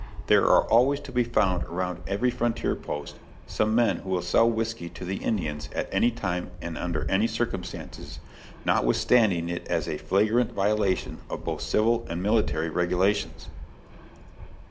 There are always to be found around every frontier post some men who will sell whisky to the Indians at any time and under any circumstances, notwithstanding it is a flagrant violation of both civil and military regulations.